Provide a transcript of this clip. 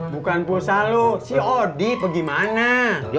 bukan pulsa lo si odi ke gimana